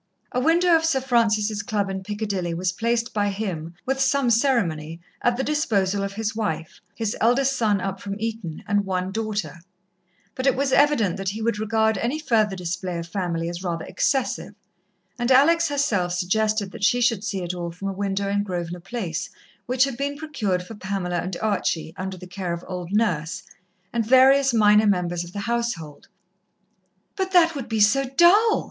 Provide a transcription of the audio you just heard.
A window of Sir Francis' Club in Piccadilly was placed by him, with some ceremony, at the disposal of his wife, his eldest son up from Eton, and one daughter, but it was evident that he would regard any further display of family as rather excessive, and Alex herself suggested that she should see it all from a window in Grosvenor Place which had been procured for Pamela and Archie, under the care of old Nurse, and various minor members of the household. "But that would be so dull!"